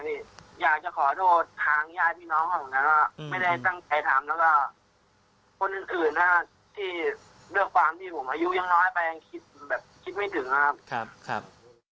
ผมอายุยังน้อยไปผมคิดไม่ถึงแล้วกับคุณครับ